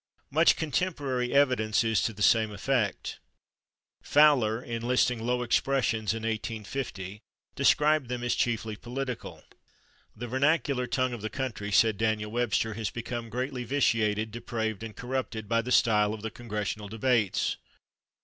Much contemporary evidence is to the same effect. Fowler, in listing "low expressions" in 1850, described them as "chiefly political." "The vernacular tongue of the country," said Daniel Webster, "has become greatly vitiated, depraved and corrupted by the style of the congressional debates."